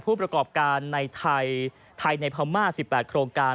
ผู้ประกอบการในไทยในพม่า๑๘โครงการ